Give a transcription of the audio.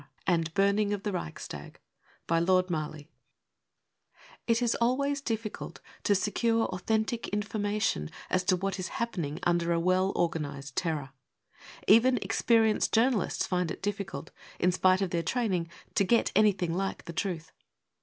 Heinz Bassler, " shot while trying to escape 55 321 352 FOREWORD £3 It is always difficult to secure authentic information as to what is happening under a well organised terror. Even experienced journalists find it difficult, in spite of their training, to get anything like the truth.